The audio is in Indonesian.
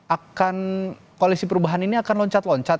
akan koalisi perubahan ini akan loncat loncat